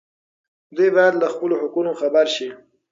دوی باید له خپلو حقونو خبر شي.